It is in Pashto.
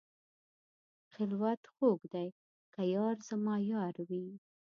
خلوت خوږ دی که یار زما یار وي.